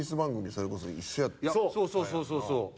そうそうそうそうそう。